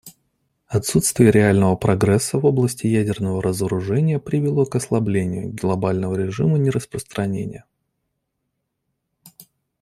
Отсутствие реального прогресса в области ядерного разоружения привело к ослаблению глобального режима нераспространения.